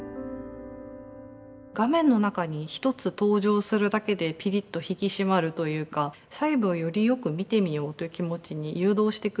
画面の中に１つ登場するだけでピリッと引き締まるというか細部をよりよく見てみようという気持ちに誘導してくれる。